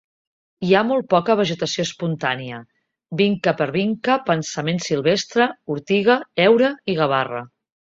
Hi ha molt poca vegetació espontània: vincapervinca, pensament silvestre, ortiga, heura i gavarra.